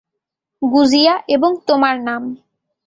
গুজিয়া এবং তোমার নাম।